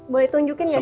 boleh tunjukin ya pak